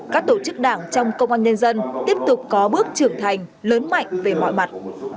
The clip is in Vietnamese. các tổ chức đảng trong công an nhân dân tiếp tục có bước trưởng thành lớn mạnh về mọi mặt